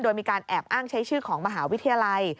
โดยมีการแอบอ้างใช้ชื่อของมหาวิทยาลัย